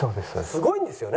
すごいんですよね